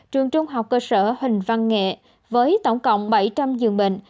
trường trung học cơ sở hình văn nghệ với tổng cộng bảy trăm linh dường bệnh